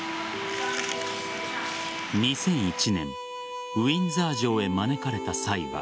２００１年ウィンザー城へ招かれた際は。